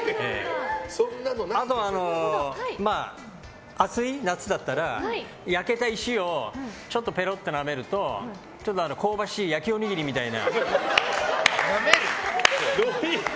あとは暑い夏だったら焼けた石をちょっとぺろってなめると香ばしい焼きおにぎりみたいな。